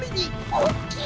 おっきい！